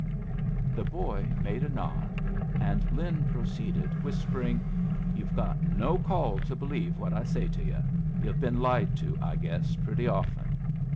The boy made a nod, and Lin proceeded, whispering: "You've got no call to believe what I say to yu' yu've been lied to, I guess, pretty often.